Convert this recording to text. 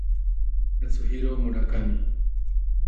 Kazuhiro Murakami